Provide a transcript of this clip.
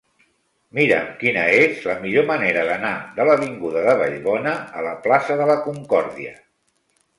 Mira'm quina és la millor manera d'anar de l'avinguda de Vallbona a la plaça de la Concòrdia.